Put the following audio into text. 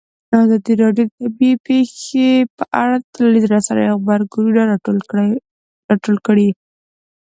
ازادي راډیو د طبیعي پېښې په اړه د ټولنیزو رسنیو غبرګونونه راټول کړي.